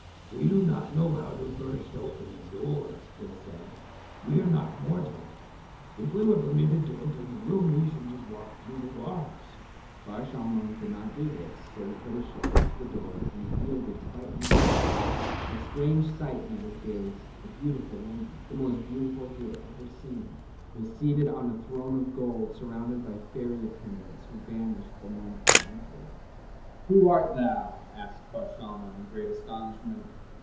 "We do not know how to burst open a door," they said. "We are not mortal. If we were permitted to enter the room we should just walk through the walls." Bar Shalmon could not do this, so he put his shoulder to the door and it yielded quite easily. A strange sight met his gaze. A beautiful woman, the most beautiful he had ever seen, was seated on a throne of gold, surrounded by fairy attendants who vanished the moment he entered. "Who art thou?" asked Bar Shalmon, in great astonishment.